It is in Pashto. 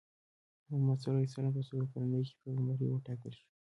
محمد ص په څو کلنۍ کې په پیغمبرۍ وټاکل شو؟